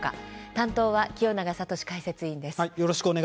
担当は清永聡解説委員です。